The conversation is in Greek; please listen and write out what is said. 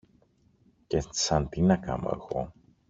Και σαν τι να κάμω εγώ;